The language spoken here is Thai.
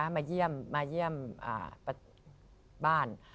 มาเยี่ยมบ้าน